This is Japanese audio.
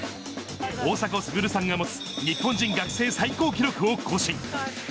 大迫傑さんが持つ、日本人学生最高記録を更新。